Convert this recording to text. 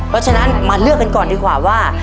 เพราะฉะนั้นมาเลือกกันก่อนดีกว่าว่า